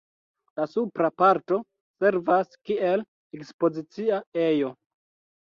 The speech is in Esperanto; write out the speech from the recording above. La supra parto servas kiel ekspozicia ejo.